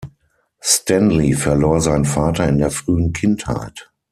Stanley verlor seinen Vater in der frühen Kindheit.